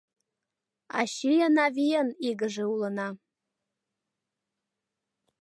Ачийын-авийын игыже улына